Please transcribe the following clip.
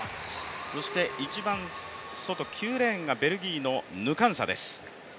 そして一番外、９レーンがベルギーのヌカンサです。